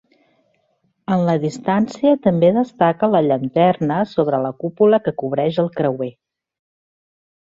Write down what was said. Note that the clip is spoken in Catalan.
En la distància també destaca la llanterna sobre la cúpula que cobreix el creuer.